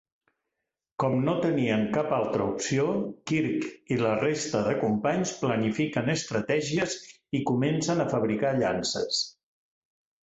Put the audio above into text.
Com no tenien cap altra opció, Kirk i la resta de companys planifiquen estratègies i comencen a fabricar llances.